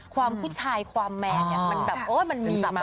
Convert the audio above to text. ความผู้ชายความแมนเนี่ยมันแบบโอ๊ยมันมีสมา